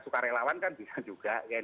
suka relawan kan bisa juga